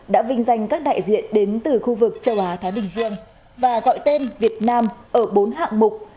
đã vinh danh các đại diện đến từ khu vực châu á thái bình dương và gọi tên việt nam ở bốn hạng mục